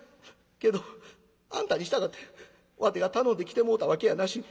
けどあんたにしたかてわてが頼んで来てもろたわけやなし。